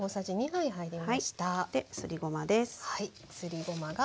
ですりごまです。